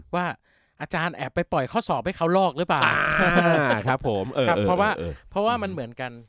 ว่าอาจารย์แอบไปปล่อยข้อสอบให้เขาลอกหรือเปล่านะครับผมครับเพราะว่าเพราะว่ามันเหมือนกัน